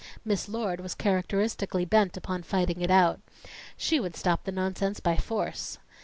Miss Lord was characteristically bent upon fighting it out. She would stop the nonsense by force.